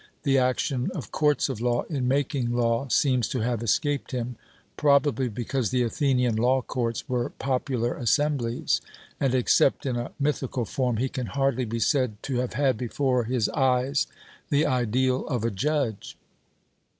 The action of courts of law in making law seems to have escaped him, probably because the Athenian law courts were popular assemblies; and, except in a mythical form, he can hardly be said to have had before his eyes the ideal of a judge.